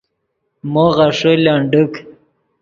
مو غیݰے لنڈیک